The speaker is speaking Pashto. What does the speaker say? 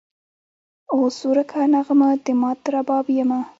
اوس ورکه نغمه د مات رباب یمه